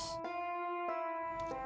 itu artinya keluarga kang mus